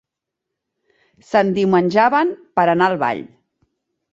S'endiumenjaven per anar al ball.